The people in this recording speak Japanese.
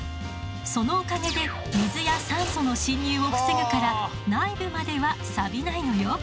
そのおかげで水や酸素の侵入を防ぐから内部まではサビないのよ。